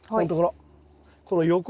この横。